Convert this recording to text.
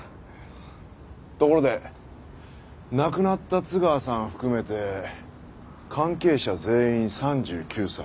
ところで亡くなった津川さん含めて関係者全員３９歳。